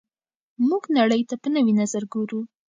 موږ نړۍ ته په نوي نظر ګورو.